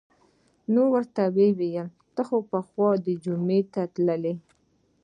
نو ورته یې وویل: ته خو به پخوا جمعې ته تللې.